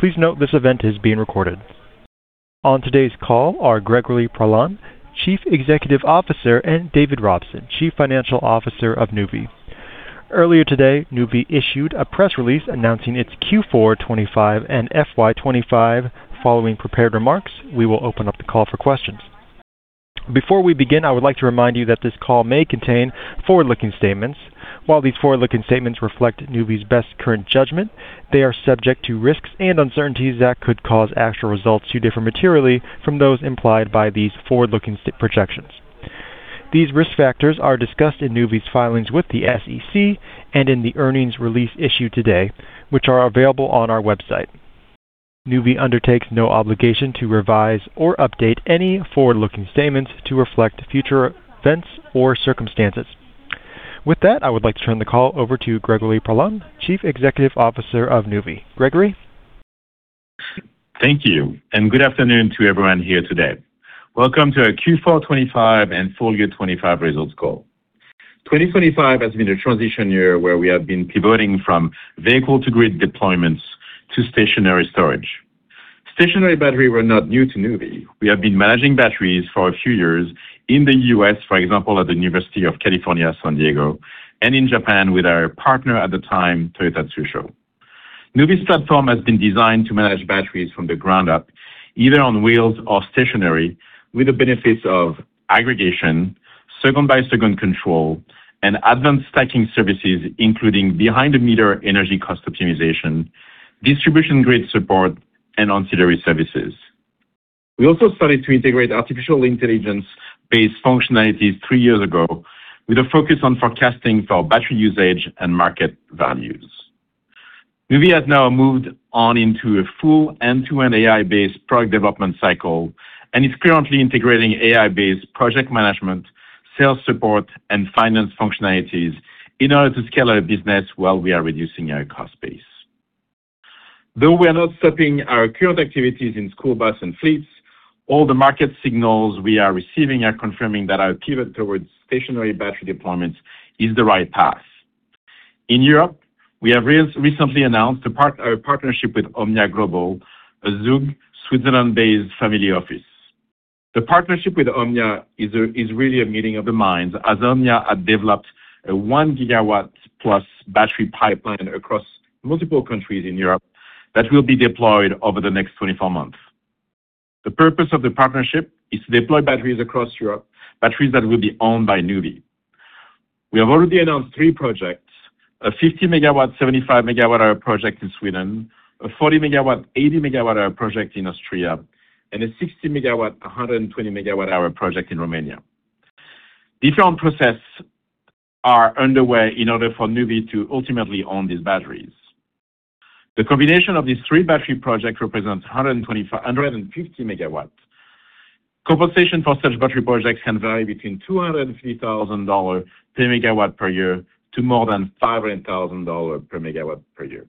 Please note this event is being recorded. On today's call are Gregory Poilasne, Chief Executive Officer, and David Robson, Chief Financial Officer of Nuvve. Earlier today, Nuvve issued a press release announcing its Q4 2025 and FY 2025. Following prepared remarks, we will open up the call for questions. Before we begin, I would like to remind you that this call may contain forward-looking statements. While these forward-looking statements reflect Nuvve's best current judgment, they are subject to risks and uncertainties that could cause actual results to differ materially from those implied by these forward-looking statements. These risk factors are discussed in Nuvve's filings with the SEC and in the earnings release issued today, which are available on our website. Nuvve undertakes no obligation to revise or update any forward-looking statements to reflect future events or circumstances. With that, I would like to turn the call over to Gregory Poilasne, Chief Executive Officer of Nuvve. Gregory. Thank you, and good afternoon to everyone here today. Welcome to our Q4 2025 and Full Year 2025 Results Call. 2025 has been a transition year where we have been pivoting from vehicle-to-grid deployments to stationary storage. Stationary batteries were not new to Nuvve. We have been managing batteries for a few years in the U.S., for example, at the University of California, San Diego, and in Japan with our partner at the time, Toyota Tsusho. Nuvve's platform has been designed to manage batteries from the ground up, either on wheels or stationary, with the benefits of aggregation, second-by-second control, and advanced stacking services, including behind-the-meter energy cost optimization, distribution grid support, and ancillary services. We also started to integrate artificial intelligence-based functionalities three years ago with a focus on forecasting for battery usage and market values. Nuvve has now moved on into a full end-to-end AI-based product development cycle and is currently integrating AI-based project management, sales support, and finance functionalities in order to scale our business while we are reducing our cost base. Though we are not stopping our current activities in school bus and fleets, all the market signals we are receiving are confirming that our pivot towards stationary battery deployments is the right path. In Europe, we have recently announced a partnership with OMNIA Global, a Zug, Switzerland-based family office. The partnership with OMNIA is really a meeting of the minds, as OMNIA have developed a 1 GW-plus battery pipeline across multiple countries in Europe that will be deployed over the next 24 months. The purpose of the partnership is to deploy batteries across Europe, batteries that will be owned by Nuvve. We have already announced three projects, a 50 MW 75 MWh project in Sweden, a 40 MW 80 MWh project in Austria, and a 60 MW 120 MWh project in Romania. Different processes are underway in order for Nuvve to ultimately own these batteries. The combination of these three battery projects represents 150 MW. Compensation for such battery projects can vary between $200 and $3,000 per MW per year to more than $500,000 per MW per year.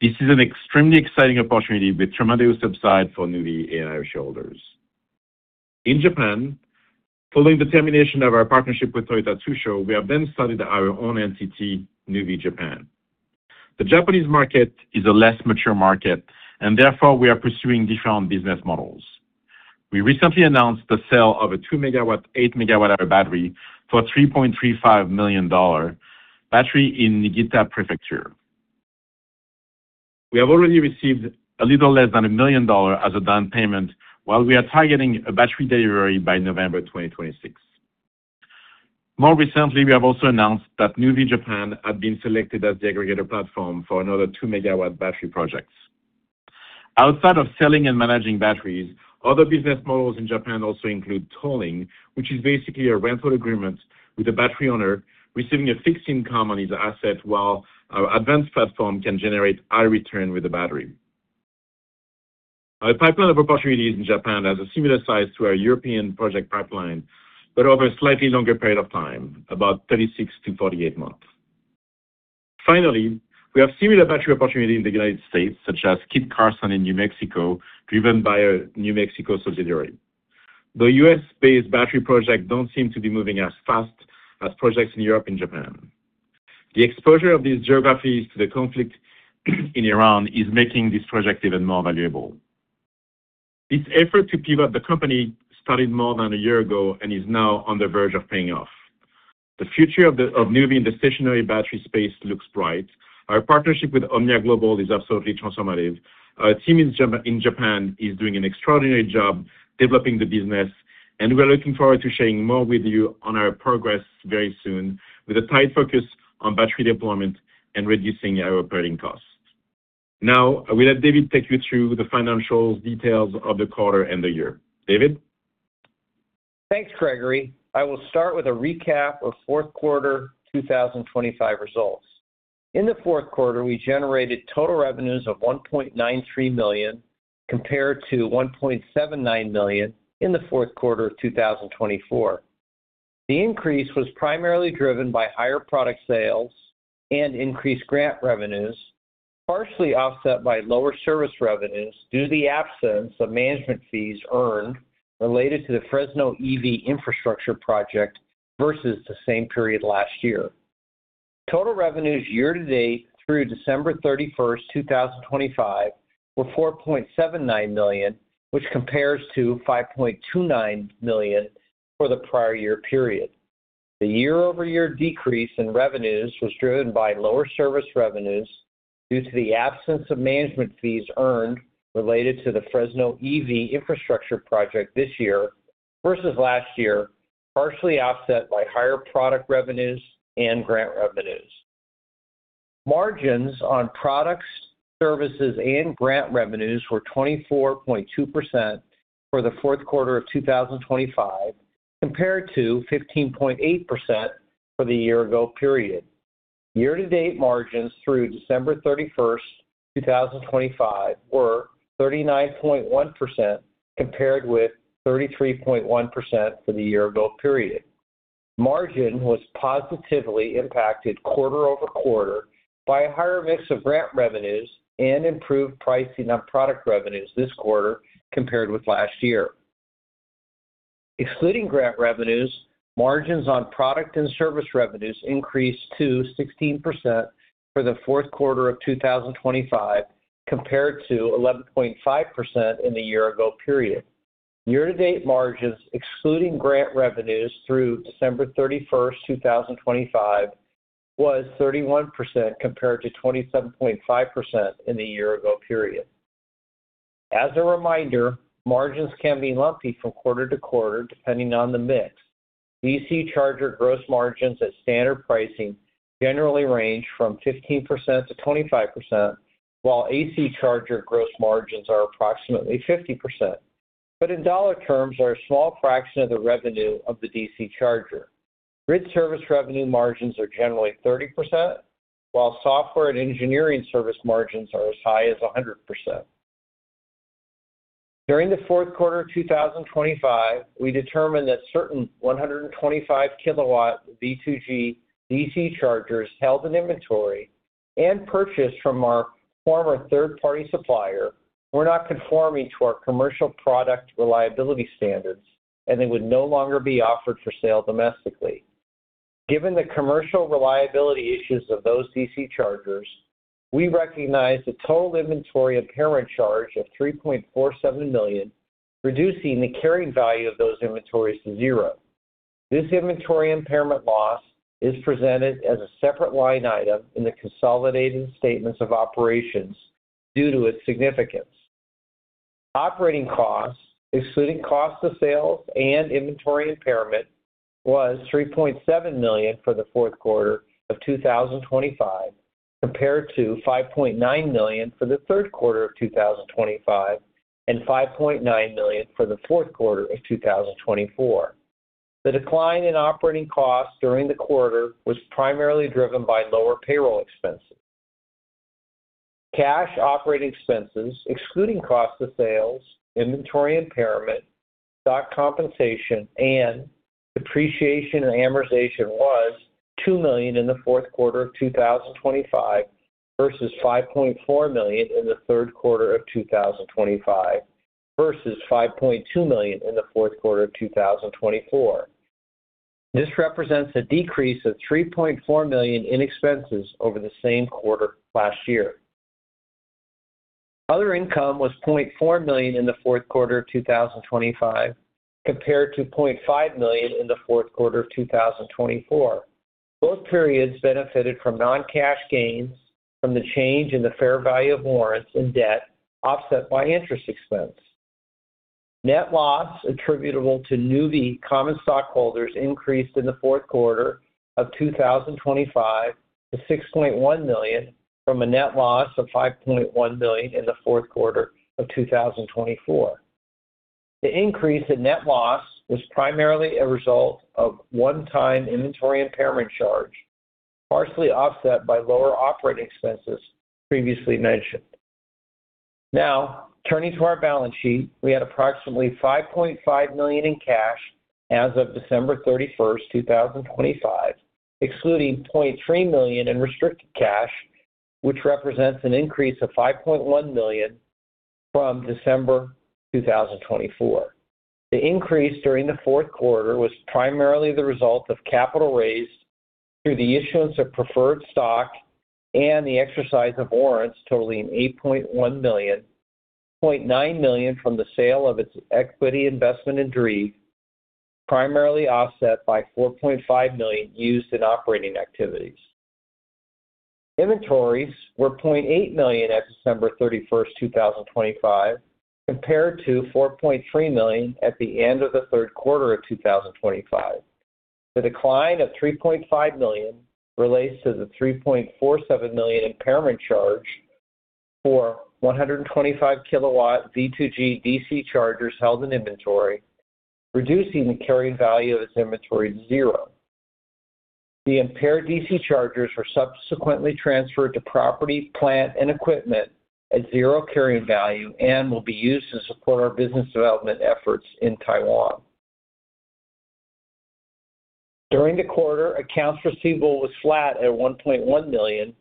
This is an extremely exciting opportunity with tremendous upside for Nuvve and our shareholders. In Japan, following the termination of our partnership with Toyota Tsusho, we have then started our own entity, Nuvve Japan. The Japanese market is a less mature market and therefore we are pursuing different business models. We recently announced the sale of a 2 MW 8 MWh battery for a $3.35 million battery in Niigata Prefecture. We have already received a little less than $1 million as a down payment while we are targeting a battery delivery by November 2026. More recently, we have also announced that Nuvve Japan had been selected as the aggregator platform for another 2 MW battery projects. Outside of selling and managing batteries, other business models in Japan also include tolling, which is basically a rental agreement with the battery owner receiving a fixed income on his asset while our advanced platform can generate high return with the battery. Our pipeline of opportunities in Japan has a similar size to our European project pipeline, but over a slightly longer period of time, about 36 to 48 months. Finally, we have similar battery opportunity in the United States, such as Kit Carson in New Mexico, driven by a New Mexico subsidiary. The U.S. based battery project don't seem to be moving as fast as projects in Europe and Japan. The exposure of these geographies to the conflict in Iran is making this project even more valuable. This effort to pivot the company started more than a year ago and is now on the verge of paying off. The future of Nuvve in the stationary battery space looks bright. Our partnership with OMNIA Global is absolutely transformative. Our team in Japan is doing an extraordinary job developing the business, and we're looking forward to sharing more with you on our progress very soon with a tight focus on battery deployment and reducing our operating costs. Now, I will let David take you through the financial details of the quarter and the year. David. Thanks, Gregory. I will start with a recap of fourth quarter 2025 results. In the fourth quarter, we generated total revenues of $1.93 million compared to $1.79 million in the fourth quarter of 2024. The increase was primarily driven by higher product sales and increased grant revenues, partially offset by lower service revenues due to the absence of management fees earned related to the Fresno EV infrastructure project versus the same period last year. Total revenues year-to-date through December 31st, 2025 were $4.79 million, which compares to $5.29 million for the prior year period. The year-over-year decrease in revenues was driven by lower service revenues due to the absence of management fees earned related to the Fresno EV infrastructure project this year versus last year, partially offset by higher product revenues and grant revenues. Margins on products, services, and grant revenues were 24.2% for the fourth quarter of 2025, compared to 15.8% for the year ago period. Year-to-date margins through December 31st, 2025 were 39.1% compared with 33.1% for the year ago period. Margin was positively impacted quarter-over-quarter by a higher mix of grant revenues and improved pricing on product revenues this quarter compared with last year. Excluding grant revenues, margins on product and service revenues increased to 16% for the fourth quarter of 2025 compared to 11.5% in the year ago period. Year-to-date margins excluding grant revenues through December 31st, 2025 was 31% compared to 27.5% in the year ago period. As a reminder, margins can be lumpy from quarter to quarter depending on the mix. DC charger gross margins at standard pricing generally range from 15%-25%, while AC charger gross margins are approximately 50%, but in dollar terms are a small fraction of the revenue of the DC charger. Grid service revenue margins are generally 30%, while software and engineering service margins are as high as 100%. During the fourth quarter of 2025, we determined that certain 125 kW V2G DC chargers held in inventory and purchased from our former third-party supplier were not conforming to our commercial product reliability standards, and they would no longer be offered for sale domestically. Given the commercial reliability issues of those DC chargers, we recognized a total inventory impairment charge of $3.47 million, reducing the carrying value of those inventories to zero. This inventory impairment loss is presented as a separate line item in the consolidated statements of operations due to its significance. Operating costs, excluding cost of sales and inventory impairment, was $3.7 million for the fourth quarter of 2025, compared to $5.9 million for the third quarter of 2025 and $5.9 million for the fourth quarter of 2024. The decline in operating costs during the quarter was primarily driven by lower payroll expenses. Cash operating expenses, excluding cost of sales, inventory impairment, stock compensation, and depreciation and amortization, was $2 million in the fourth quarter of 2025 versus $5.4 million in the third quarter of 2025 versus $5.2 million in the fourth quarter of 2024. This represents a decrease of $3.4 million in expenses over the same quarter last year. Other income was $0.4 million in the fourth quarter of 2025 compared to $0.5 million in the fourth quarter of 2024. Both periods benefited from non-cash gains from the change in the fair value of warrants and debt offset by interest expense. Net loss attributable to Nuvve common stockholders increased in the fourth quarter of 2025 to $6.1 million from a net loss of $5.1 million in the fourth quarter of 2024. The increase in net loss was primarily a result of one-time inventory impairment charge, partially offset by lower operating expenses previously mentioned. Now, turning to our balance sheet, we had approximately $5.5 million in cash as of December 31st, 2025, excluding $0.3 million in restricted cash, which represents an increase of $5.1 million from December 2024. The increase during the fourth quarter was primarily the result of capital raised through the issuance of preferred stock and the exercise of warrants totaling $8.1 million, $0.9 million from the sale of its equity investment in Dreev, primarily offset by $4.5 million used in operating activities. Inventories were $0.8 million at December 31st, 2025 compared to $4.3 million at the end of the third quarter of 2025. The decline of $3.5 million relates to the $3.47 million impairment charge for 125 kW V2G DC chargers held in inventory, reducing the carrying value of its inventory to zero. The impaired DC chargers were subsequently transferred to property, plant, and equipment at zero carrying value and will be used to support our business development efforts in Taiwan. During the quarter, accounts receivable was flat at $1.1 million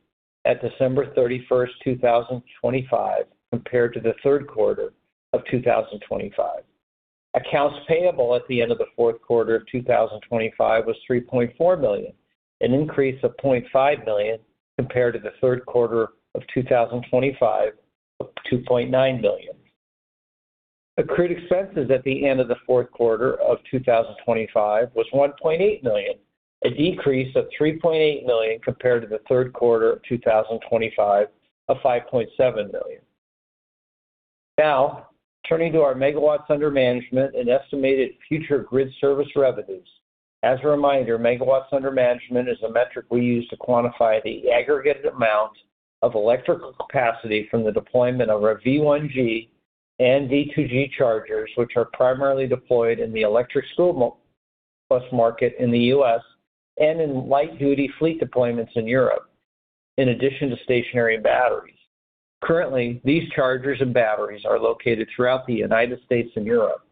at December 31st, 2025, compared to the third quarter of 2025. Accounts payable at the end of the fourth quarter of 2025 was $3.4 million, an increase of $0.5 million compared to the third quarter of 2025 of $2.9 million. Accrued expenses at the end of the fourth quarter of 2025 was $1.8 million, a decrease of $3.8 million compared to the third quarter of 2025 of $5.7 million. Now, turning to our megawatts under management and estimated future grid service revenues. As a reminder, megawatts under management is a metric we use to quantify the aggregate amount of electrical capacity from the deployment of our V1G and V2G chargers, which are primarily deployed in the electric school bus market in the U.S. and in light-duty fleet deployments in Europe, in addition to stationary batteries. Currently, these chargers and batteries are located throughout the United States and Europe.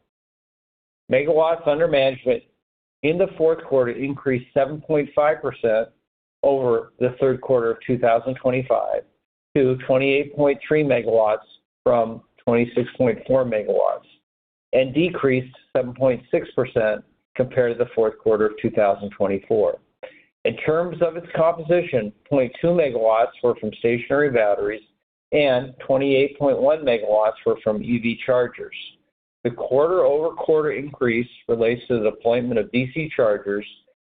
Megawatts under management in the fourth quarter increased 7.5% over the third quarter of 2025 to 28.3 MW from 26.4 MW and decreased 7.6% compared to the fourth quarter of 2024. In terms of its composition, 0.2 MW were from stationary batteries and 28.1 MW were from EV chargers. The quarter-over-quarter increase relates to the deployment of DC chargers,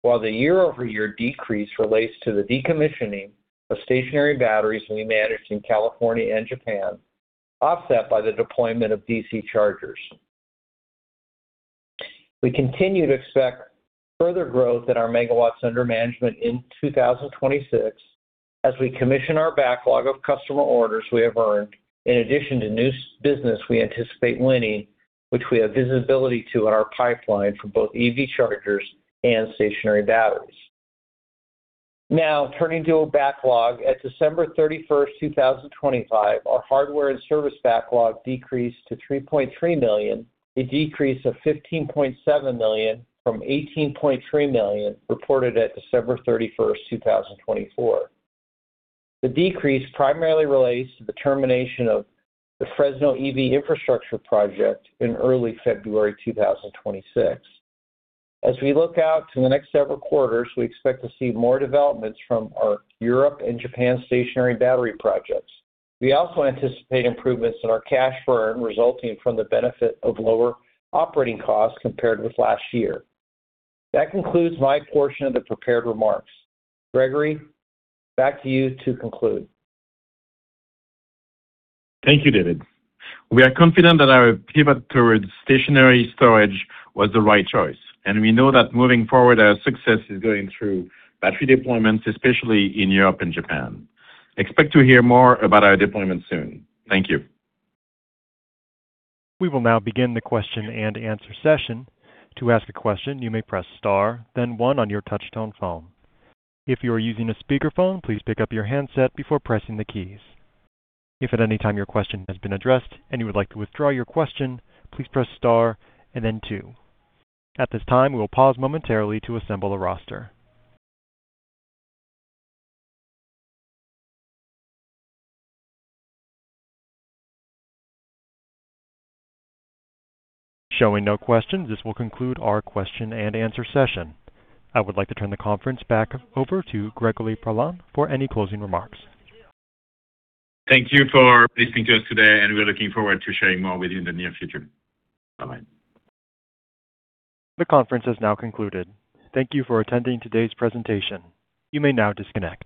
while the year-over-year decrease relates to the decommissioning of stationary batteries we managed in California and Japan, offset by the deployment of DC chargers. We continue to expect further growth in our megawatts under management in 2026 as we commission our backlog of customer orders we have earned, in addition to new business we anticipate winning, which we have visibility to in our pipeline for both EV chargers and stationary batteries. Now, turning to our backlog. At December 31st, 2025, our hardware and service backlog decreased to $3.3 million, a decrease of $15.7 million from $18.3 million reported at December 31st, 2024. The decrease primarily relates to the termination of the Fresno EV infrastructure project in early February 2026. As we look out to the next several quarters, we expect to see more developments from our Europe and Japan stationary battery projects. We also anticipate improvements in our cash burn resulting from the benefit of lower operating costs compared with last year. That concludes my portion of the prepared remarks. Gregory, back to you to conclude. Thank you, David. We are confident that our pivot towards stationary storage was the right choice, and we know that moving forward, our success is going through battery deployments, especially in Europe and Japan. Expect to hear more about our deployment soon. Thank you. We will now begin the question-and-answer session. To ask a question, you may press star then one on your touchtone phone. If you are using a speakerphone, please pick up your handset before pressing the keys. If at any time your question has been addressed and you would like to withdraw your question, please press star and then two. At this time, we will pause momentarily to assemble a roster. Showing no questions, this will conclude our question-and-answer session. I would like to turn the conference back over to Gregory Poilasne for any closing remarks. Thank you for listening to us today, and we're looking forward to sharing more with you in the near future. Bye-bye. The conference has now concluded. Thank you for attending today's presentation. You may now disconnect.